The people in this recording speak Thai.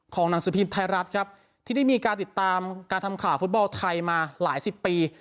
หนังสือพิมพ์ไทยรัฐครับที่ได้มีการติดตามการทำข่าวฟุตบอลไทยมาหลายสิบปี